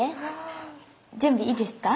準備いいですか？